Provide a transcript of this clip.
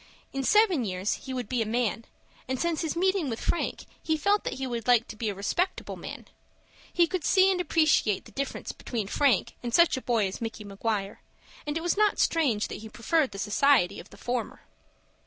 In seven years he would be a man, and, since his meeting with Frank, he felt that he would like to be a respectable man. He could see and appreciate the difference between Frank and such a boy as Micky Maguire, and it was not strange that he preferred the society of the former.